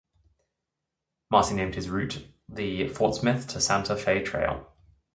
Marcy named his route the Fort Smith to Santa Fe Trail.